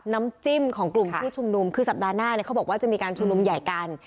น้ำจิ้มของกลุ่มผู้ชุมนุมคือสัปดาห์หน้าเนี่ยเขาบอกว่าจะมีการชุมนุมใหญ่กัน